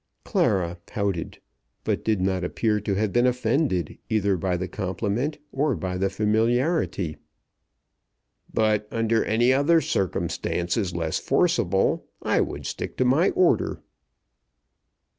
"Clara" pouted, but did not appear to have been offended either by the compliment or by the familiarity. "But under any other circumstances less forcible I would stick to my order."